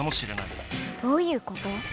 どういうこと？